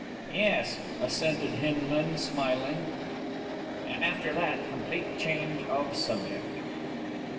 "Yes," assented Hinman, smiling, "and, after that, complete change of subject!"